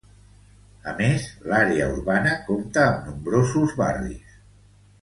A més, l'àrea urbana compta amb nombrosos barris.